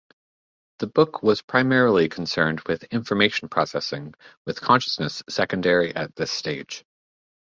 The book was primarily concerned with information processing, with consciousness secondary at this stage.